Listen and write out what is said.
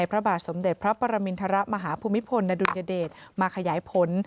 พระบาทสมเด็จพระปรมินทรมาฮภูมิพลอดุญเดชมาขยายผล